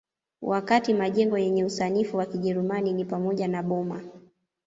Wakati majengo yenye usanifu wa Kijerumani ni pamoja na boma